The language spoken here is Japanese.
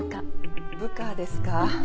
部下ですか。